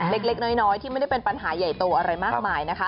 เล็กน้อยที่ไม่ได้เป็นปัญหาใหญ่โตอะไรมากมายนะคะ